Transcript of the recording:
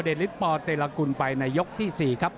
เดลิกปเตรลกุลไปในยกที่๔ครับ